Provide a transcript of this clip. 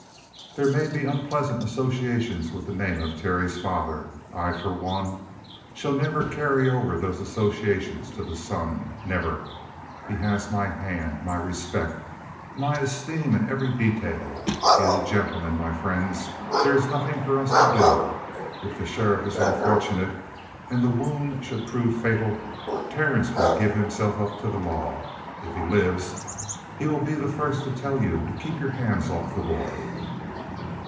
There may be unpleasant associations with the name of Terry's father. I, for one, shall never carry over those associations to the son. Never! He has my hand, my respect, my esteem in every detail. He is a gentleman, my friends! There is nothing for us to do. If the sheriff is unfortunate and the wound should prove fatal, Terence will give himself up to the law. If he lives, he will be the first to tell you to keep your hands off the boy!"